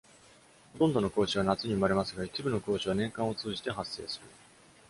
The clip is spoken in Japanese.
ほとんどの子牛は夏に生まれますが、一部の子牛は年間を通じて発生する。